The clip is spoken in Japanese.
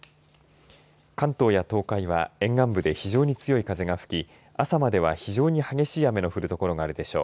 関東や東海は沿岸部で非常に強い風が吹き朝までは非常に激しい雨の降る所があるでしょう。